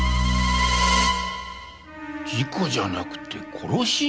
事故じゃなくて殺し？